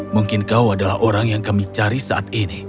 mungkin kau adalah orang yang kami cari saat ini